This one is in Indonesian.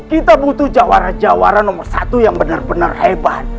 kita butuh jawara jawara nomor satu yang benar benar hebat